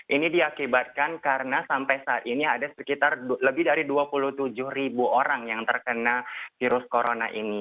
ini diakibatkan karena sampai saat ini ada sekitar lebih dari dua puluh tujuh ribu orang yang terkena virus corona ini